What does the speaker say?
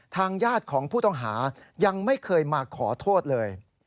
ทางญาติของผู้ต้องหายังไม่เคยมาขอโทษเลย